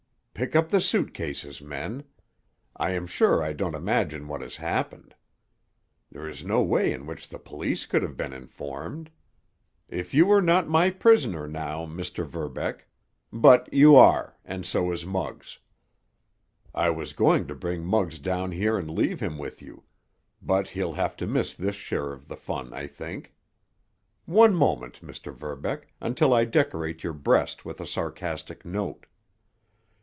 Pick up the suit cases, men. I am sure I don't imagine what has happened. There is no way in which the police could have been informed. If you were not my prisoner now, Mr. Verbeck—but you are, and so is Muggs. I was going to bring Muggs down here and leave him with you, but he'll have to miss this share of the fun, I think. One moment, Mr. Verbeck, until I decorate your breast with a sarcastic note."